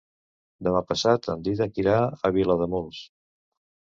Demà passat en Dídac irà a Vilademuls.